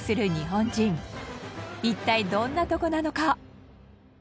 一体どんなとこなのか？